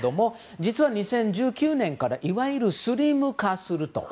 実は２０１９年から王室をいわゆるスリム化すると。